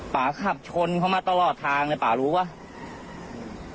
ป๊าขับชนเข้ามาตลอดทางแต่ป๊ารู้หรือ